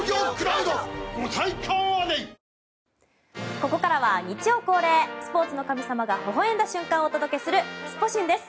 ここからは日曜恒例スポーツの神様がほほ笑んだ瞬間をお届けするスポ神です。